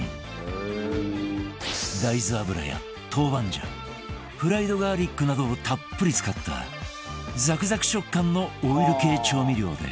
大豆油や豆板醤フライドガーリックなどをたっぷり使ったザクザク食感のオイル系調味料で